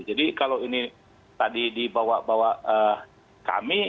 jadi kalau ini tadi dibawa bawa kami